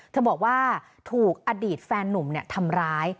เธอบอกว่าถูกอดีตแฟนนุ่มทำร้าย